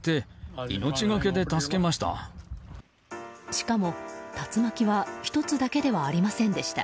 しかも竜巻は１つだけではありませんでした。